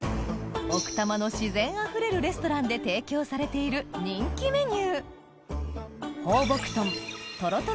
奥多摩の自然あふれるレストランで提供されている人気メニュー